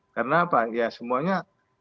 karena apa ya semuanya